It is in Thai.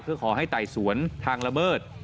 เพื่อขอให้ไต่สวนทางละเมิด